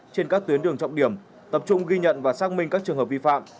trên các tuyến đường trọng điểm tập trung ghi nhận và xác minh các trường hợp vi phạm